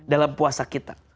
dalam puasa kita